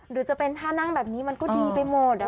หรือจะเป็นท่านั่งแบบนี้มันก็ดีไปหมด